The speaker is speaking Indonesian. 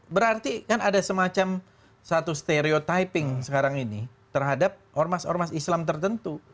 berarti kan ada semacam satu stereotyping sekarang ini terhadap ormas ormas islam tertentu